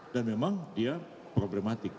dan memang dia problematik